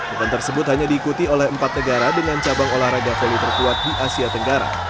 event tersebut hanya diikuti oleh empat negara dengan cabang olahraga volley terkuat di asia tenggara